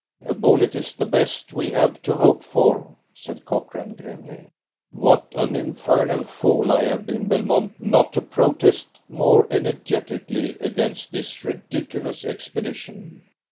"A bullet is the best we have to hope for," said Cochrane grimly. "What an infernal fool I have been, Belmont, not to protest more energetically against this ridiculous expedition!